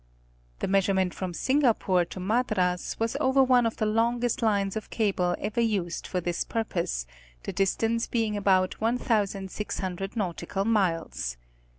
The measurement from Singapore to Madras was over one of the longest lines of cable ever used for this purpose, the distance being about 1600 nautical miles.